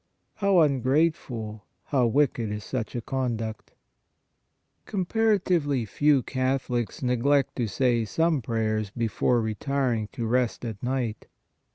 How un grateful ! How wicked is such a conduct !" Comparatively few Catholics neglect to say some prayers before retiring to rest at night.